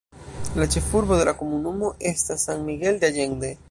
La ĉefurbo de la komunumo estas San Miguel de Allende.